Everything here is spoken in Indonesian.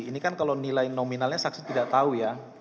ini kan kalau nilai nominalnya saksi tidak tahu ya